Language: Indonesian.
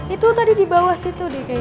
itu tadi di bawah situ deh kayaknya